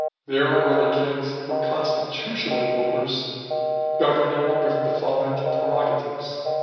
Their early kings were constitutional rulers, governing with defined prerogatives.